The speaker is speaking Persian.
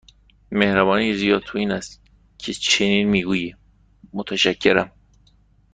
مهربانی زیاد تو است که چنین می گویی، متشکرم.